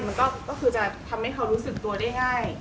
มันก็คือจะทำให้เขารู้สึกตัวได้ง่าย